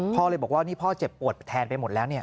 เลยบอกว่านี่พ่อเจ็บปวดแทนไปหมดแล้วเนี่ย